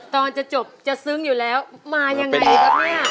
ตอนจะจบจะซึ้งอยู่แล้วมายังไงครับเนี่ย